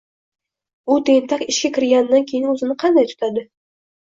u tentak ishga kirganidan keyin o‘zini qanday tutadi?